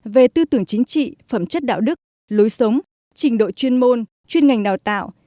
về tư tưởng chính trị phẩm chất đạo đức lối sống trình độ chuyên môn chuyên ngành đào tạo